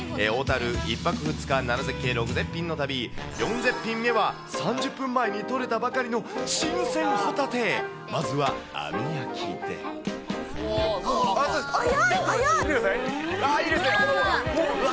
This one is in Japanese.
小樽、１泊２日７絶景６絶品の旅、４絶品目は、３０分前に取れたばかりの新鮮ホタテ、まずは網焼き速い、速い。